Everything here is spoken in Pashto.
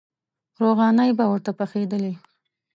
روغانۍ به ورته پخېدلې.